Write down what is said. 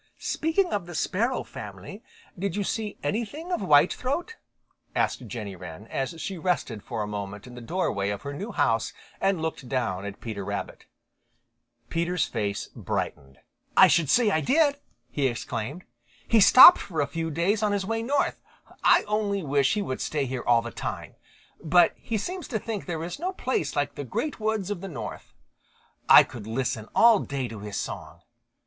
"Speaking of the sparrow family, did you see anything of Whitethroat?" asked Jenny Wren, as she rested for a moment in the doorway of her new house and looked down at Peter Rabbit. Peter's face brightened. "I should say I did!" he exclaimed. "He stopped for a few days on his way north. I only wish he would stay here all the time. But he seems to think there is no place like the Great Woods of the North. I could listen all day to his song.